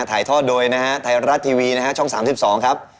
ถ่ายทอดโดยนะฮะไทยรัฐทีวีนะฮะช่อง๓๒ครับ